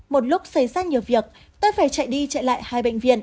một lúc xảy ra nhiều việc tôi phải chạy đi chạy lại hai bệnh viện